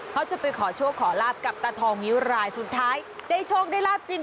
เขาจะไปขอโชคขอลาบกับตาทองนิ้วรายสุดท้ายได้โชคได้ลาบจริง